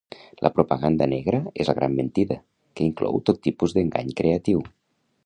La propaganda negra és la "gran mentida", que inclou tot tipus d'engany creatiu.